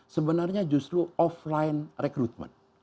sebenarnya justru offline rekrutmen